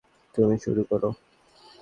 তুমি শুরু কোরো।